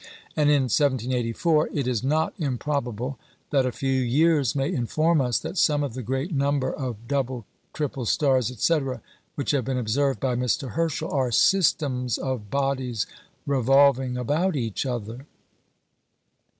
" And in 1784: "It is not improbable that a few years may inform us that some of the great number of double, triple stars, etc., which have been observed by Mr. Herschel, are systems of bodies revolving about each other."